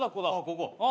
ここ？